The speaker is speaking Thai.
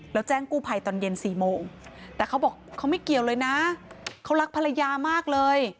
แล้วแจ้งกู้ภัยตอนเย็น๔โมงแต่เขาบอกเขาไม่เกี่ยวเลยนะเขารักภรรยามากเลย